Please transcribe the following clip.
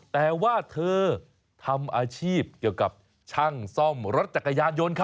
แต่ว่าเธอทำอาชีพเกี่ยวกับช่างซ่อมรถจักรยานยนต์